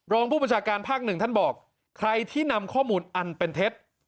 รองผู้บัญชาการภาคหนึ่งท่านบอกใครที่นำข้อมูลอันเป็นเท็จ